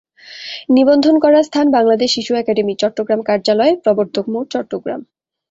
নিবন্ধন করার স্থান বাংলাদেশ শিশু একাডেমী, চট্টগ্রাম কার্যালয়, প্রবর্তক মোড়, চট্টগ্রাম।